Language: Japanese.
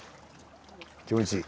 気持ちいい。